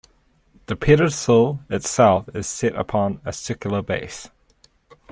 The pedestal itself is set upon a circular base.